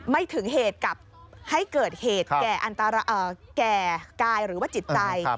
ไม่ถึงเหตุกับให้เกิดเหตุแก่กายหรือว่าจิตใจ